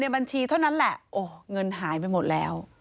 บัญชีเท่านั้นแหละโอ้โหเงินหายไปหมดแล้ว